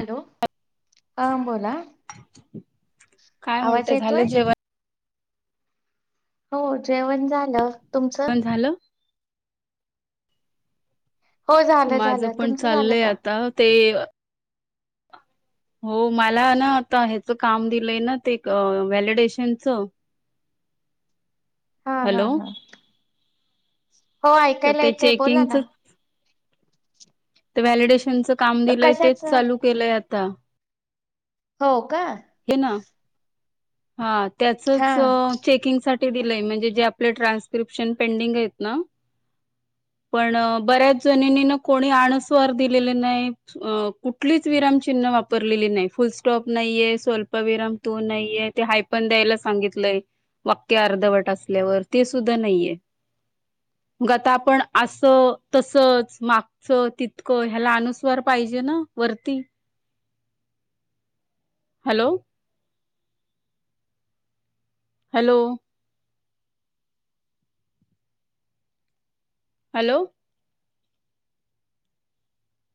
Hello हां बोलां कायं म्हणतंय झालं येतोय जेवणं हो जेवणं झालं तुमचं? पणं झालं हो झालं माझं झालं पणं तुमचं झालं चाललंय का आंता ते हो मलां नां आंता ह्यांचं कामं दिलंय नां ते व्हॅलिडेशनचं [unintelligible] हां हां हॅलो हां तरं ते बोला चेकिंग ना. चं ते व्हॅलिडेशनच कामं दिलंय कशाच तेचं चालूं केलंय आंता, हो कां. हे नां हां हा त्याचंच हे चेकिंग सांठी दिलंय म्हणजे जे आपले ट्रान्स्क्रिप्शन पेंडिंग आहेतं नां पणं बऱ्यांच जणिनी नं कोणी आंणस्वांर दिलेले नाहींत. कुंठलीच विरामंचिन्ह वापरलेली नाहीं फुलं स्टॉप नाहींये स्वल्प विराम तो नाहीये. ते हाय पण द्यायला सांगितलंय. वाक्य अर्धवट असल्यावर. ते सुद्धा नाहीये. मग आता आपण असं, तसच, माग स तितकं ह्याला अनुस्वार पाहिजे ना, वरती. हॅलो. हॅलो. हॅलो.